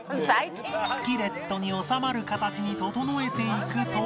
スキレットに収まる形に整えていくと